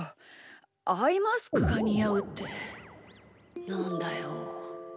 アイマスクがにあうってなんだよ。